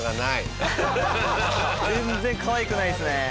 全然かわいくないですね。